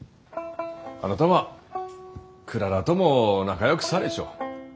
あなたはクララとも仲よくされちょる。